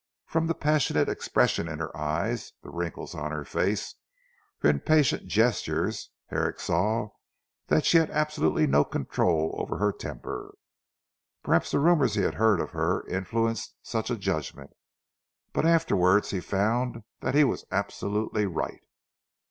From the passionate expression in her eyes, the wrinkles on her face, her impatient gestures, Herrick saw that she had absolutely no control over her temper. Perhaps the rumours he had heard of her influenced such a judgment; but afterwards he found that he was absolutely right.